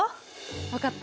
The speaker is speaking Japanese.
わかった。